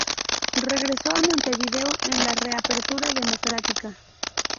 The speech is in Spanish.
Regresó a Montevideo en la reapertura democrática.